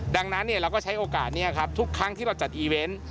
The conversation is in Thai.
ดังนั้นเราก็ใช้โอกาสนี้ครับทุกครั้งที่เราจัดอีเวนต์